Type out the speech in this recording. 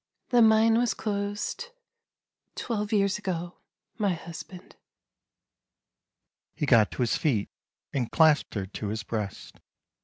"" The mine was closed — twelve years ago, my hus band." He got to his feet and clasped her to his breast.